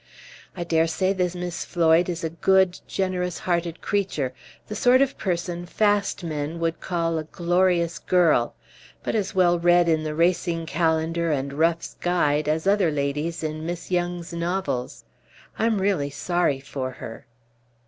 I Page 22 dare say this Miss Floyd is a good, generous hearted creature the sort of person fast men would call a glorious girl but as well read in the Racing Calendar and Ruff's Guide as other ladies in Miss Yonge's novels. I'm really sorry for her."